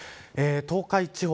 東海地方